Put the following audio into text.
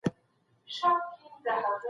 اقتصاد پوهان په نويو پلانونو کار کوي.